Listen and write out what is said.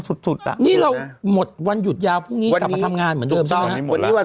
สุดที่เราหมดวันหยุดยาวคนทำงานเหมือนเจ้ามั้ย